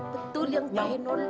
betul yang janda